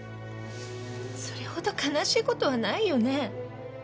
それほど悲しいことはないよね？